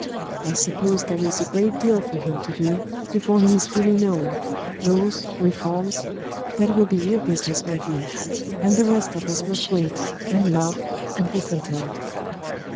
I suppose there is a great deal for Him to do, before He is fully known laws, reforms that will be your business, my dear. And the rest of us must wait, and love, and be content."